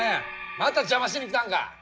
また邪魔しに来たんか！？